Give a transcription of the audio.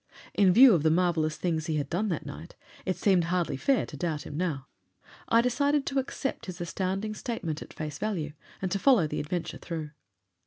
In view of the marvelous things he had done that night, it seemed hardly fair to doubt him now. I decided to accept his astounding statement at face value and to follow the adventure through.